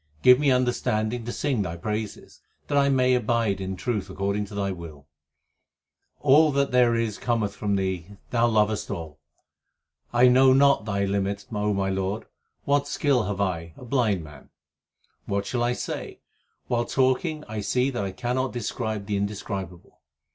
Give me understanding to sing Thy praises, That I may abide in truth according to Thy will. All that there is cometh from Thee ; Thou lovest all. I know not Thy limit, O my Lord; what skill have I, a blind man ? What shall I say ? while talking I see that I cannot describe the Indescribable.